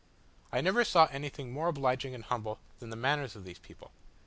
I never saw anything more obliging and humble than the manners of these people.